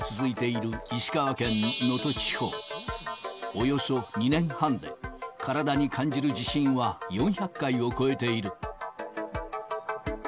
およそ２年半で体に感じる地震は４００回を超えている。